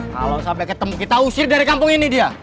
kalau sampai ketemu kita usir dari kampung ini dia